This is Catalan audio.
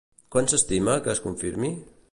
Quan s'estima que es confirmi?